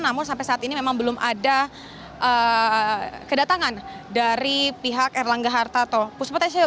namun sampai saat ini memang belum ada kedatangan dari pihak erlangga hartarto